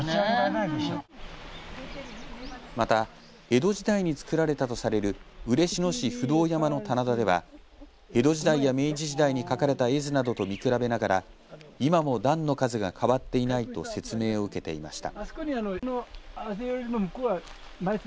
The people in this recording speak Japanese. また江戸時代に造られたされる嬉野市不動山の棚田では江戸時代や明治時代に描かれた絵図などと見比べながら今も段の数が変わっていないと説明を受けていました。